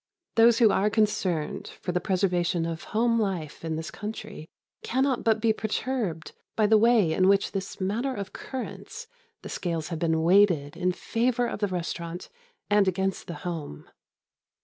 Those who are concerned for the preservation of home life in this country cannot but be perturbed by the way in which in this matter of currants the scales have been weighted in favour of the restaurant and against the home.